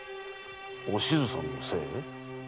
お静さんのせい？